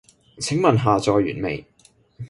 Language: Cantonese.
請問下載完未？